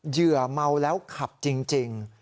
เหยื่อเมาแล้วขับจริง